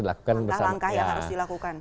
langkah langkah yang harus dilakukan